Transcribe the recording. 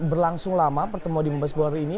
berlangsung lama bertemu di mabespori ini